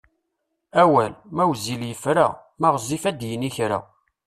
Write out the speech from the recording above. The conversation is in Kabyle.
Awal, ma wezzil yefra, ma ɣezzif ad d-yini kra.